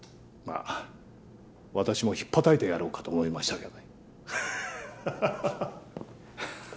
私もひっぱたいてやろうかと思いましたけど。